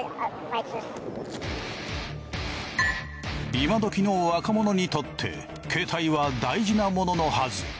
今どきの若者にとって携帯は大事なもののはず。